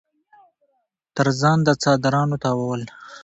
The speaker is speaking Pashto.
تر ځان د څادرنو تاوول